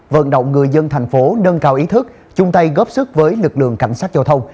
vận động người dân thành phố nâng cao ý thức chung tay góp sức với lực lượng cảnh sát giao thông